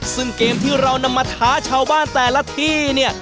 ซึ่งเกมที่เรานำมาท้าชาวบ้านแต่ละที่เนี่ย